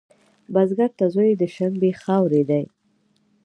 بزګر ته زوی د شنې خاورې دی